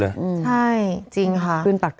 ใช่จริงค่ะ